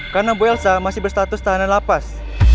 karena bu elsa masih berstatus tahanan lapas